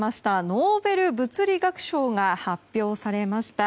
ノーベル物理学賞が発表されました。